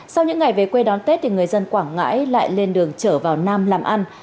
sau những ngày về quê đón tết người dân quảng ngãi lại lên đường chở vào nam làm ăn